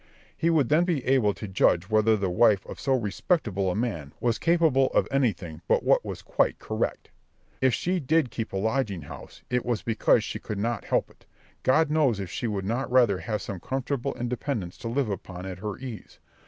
He would then be able to judge whether the wife of so respectable a man was capable of anything but what was quite correct. If she did keep a lodging house, it was because she could not help it. God knows if she would not rather have some comfortable independence to live upon at her ease.